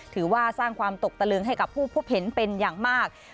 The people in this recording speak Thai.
ถือว่าสร้างความตกตะลึงให้กับผู้พบเห็นเป็นอย่างมาก